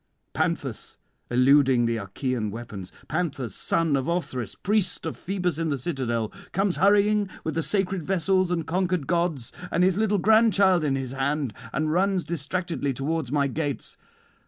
Panthus, eluding the Achaean weapons, Panthus son of Othrys, priest of Phoebus in the citadel, comes hurrying with the sacred vessels and conquered gods and his little grandchild in his hand, and runs distractedly towards my gates.